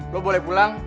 lo boleh pulang